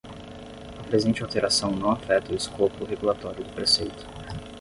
A presente alteração não afeta o escopo regulatório do preceito.